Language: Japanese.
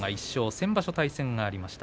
先場所、対戦がありました。